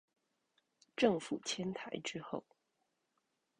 政府遷台之後